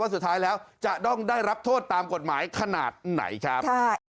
สุดท้ายแล้วจะต้องได้รับโทษตามกฎหมายขนาดไหนครับ